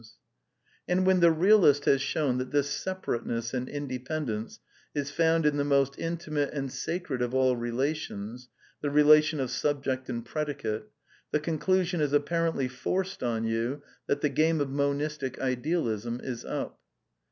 204 A DEFENCE OF IDEALISM And when the realist has shown that this separateness and independence is found in the most intimate and sacred of all relations, the relation of subject and predicate, the conclusion is apparently forced on you that the game of Monistic Idealism is up.